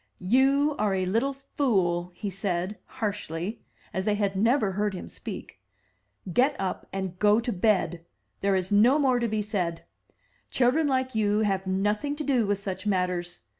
"You are a little fool," he said, harshly, as they had never heard him speak. "Get up and go to bed. There is no more to be said. Children like you have nothing to do with such mat ters.